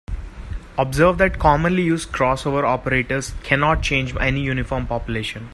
Observe that commonly used crossover operators cannot change any uniform population.